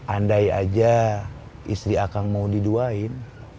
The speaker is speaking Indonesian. andai aja istri kang komar mau diduain